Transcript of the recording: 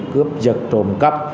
cướp giật trộm cắp